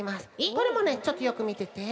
これもねちょっとよくみてて。